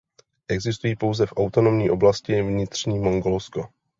Existují pouze v autonomní oblasti Vnitřní Mongolsko.